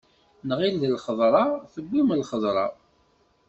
Nɣil d lxeḍra tewwim lxeḍra.